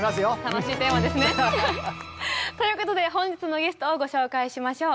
楽しいテーマですね。ということで本日のゲストをご紹介しましょう。